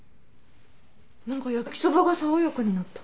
何か焼きそばが爽やかになった。